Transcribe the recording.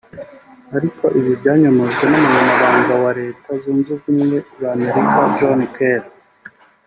Ariko ibi byanyomojwe n’Umunyamabanga wa Leta Zunze ubumwe za Amerika John Kelly